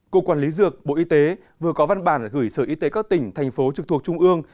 cục quản lý dược bộ y tế vừa có văn bản gửi sở y tế các tỉnh thành phố trực thuộc trung ương